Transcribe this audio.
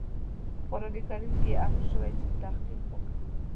په قرآن کريم کې امر شوی چې تحقيق وکړئ.